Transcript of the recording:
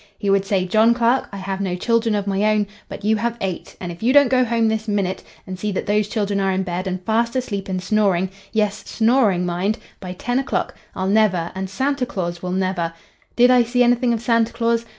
He would say, 'John Clark, I have no children of my own, but you have eight, and if you don't go home this minute and see that those children are in bed and fast asleep and snoring,—yes, snoring, mind,—by ten o'clock, I'll never, and Santa Claus will never—!' —"'Did I see anything of Santa Claus?'